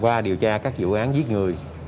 qua điều tra các dự án giết người